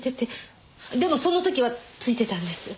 でもその時は付いてたんです。